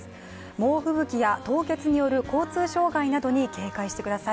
猛吹雪や凍結による交通障害などに警戒してください。